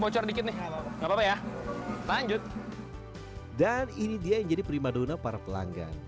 bercor dikit nih nggak papa ya lanjut dan ini dia yang jadi prima donna para pelanggan